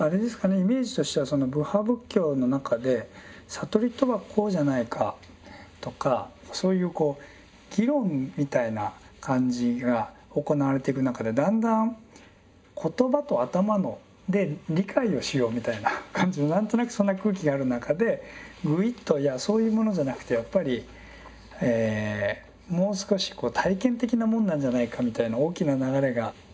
イメージとしてはその部派仏教の中で悟りとはこうじゃないかとかそういうこう議論みたいな感じが行われていく中でだんだん言葉と頭で理解をしようみたいな感じの何となくそんな空気がある中でぐいっといやそういうものじゃなくてやっぱりもう少し体験的なもんなんじゃないかみたいな大きな流れが。